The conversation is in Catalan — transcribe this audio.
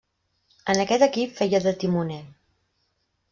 En aquest equip feia de timoner.